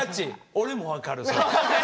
俺も分かるそれ。